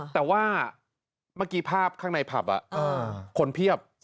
แต่ว่าเมื่อกี้ภาพข้างในผับคนเพียบ